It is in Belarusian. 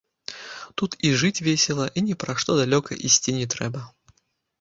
Тут і жыць весела і ні па што далёка ісці не трэба.